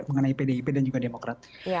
mengenai pdip dan juga demokrat